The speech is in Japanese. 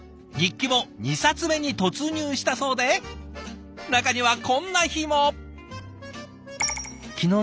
日記も２冊目に突入したそうで中にはこんな日も。